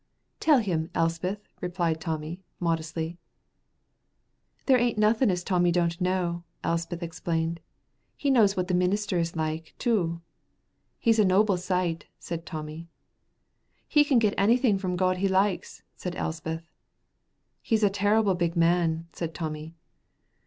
"Tell him, Elspeth," replied Tommy, modestly. "There ain't nuthin' as Tommy don't know," Elspeth explained. "He knows what the minister is like, too." "He's a noble sight," said Tommy. "He can get anything from God he likes," said Elspeth. "He's a terrible big man," said Tommy.